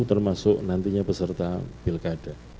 termasuk nantinya peserta pilkada